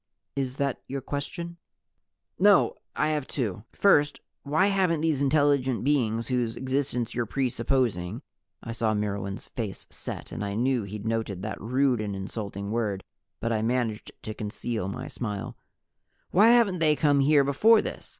"Is that your question?" "No, I have two. First, why haven't these intelligent beings whose existence you're presupposing " I saw Myrwan's face set, and I knew he'd noted that rude and insulting word, but I managed to conceal my smile "why haven't they come here before this?